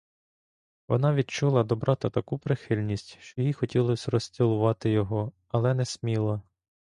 Вона відчула до брата таку прихильність, що їй хотілось розцілувати його, але не сміла.